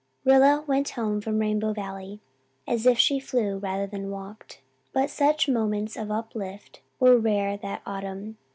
Rilla went home from Rainbow Valley as if she flew rather than walked. But such moments of uplift were rare that autumn.